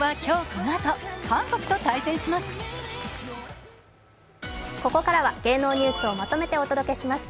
ここからは芸能ニュースをまとめてお届けします。